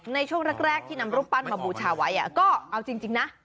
ในช่วงแรกที่นำรูปปั้นมาบูชาไว้ก็เอาจริงนะ